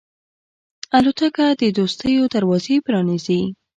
الوتکه د دوستیو دروازې پرانیزي.